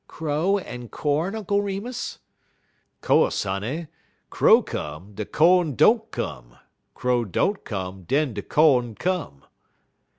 "Crow and corn, Uncle Remus?" "Co'se, honey. Crow come, de co'n don't come; crow don't come, den de co'n come."